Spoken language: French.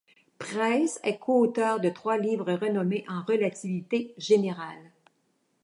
Price est coauteur de trois livres renommés en relativité générale.